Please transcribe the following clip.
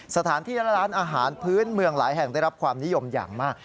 สถานที่และร้านอาหารพื้นเมืองหลายแห่งได้รับความนิยมอย่างมาก